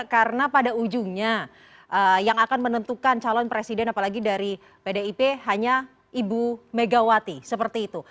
karena pada ujungnya yang akan menentukan calon presiden apalagi dari pdip hanya ibu megawati seperti itu